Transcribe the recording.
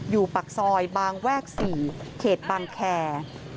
ปากซอยบางแวก๔เขตบางแคร์